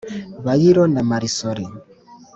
bayiro na marisore